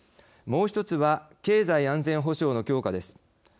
もう一つは経済安全保障の強化です。